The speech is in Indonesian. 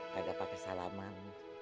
kagak pakai salaman